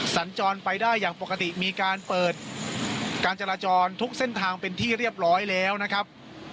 สัญจรไปได้อย่างปกติมีการเปิดการจราจรทุกเส้นทางเป็นที่เรียบร้อยแล้วนะครับ